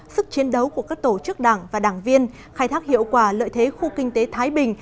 sức chiến đấu của các tổ chức đảng và đảng viên khai thác hiệu quả lợi thế khu kinh tế thái bình